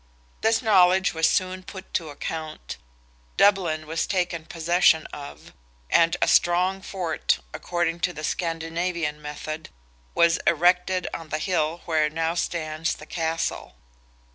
This knowledge was soon put to account; Dublin was taken possession of, and a strong fort, according to the Scandinavian method, was erected on the hill where now stands the Castle.